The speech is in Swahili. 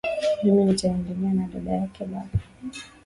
Mimi nitaenda na dada kwake baba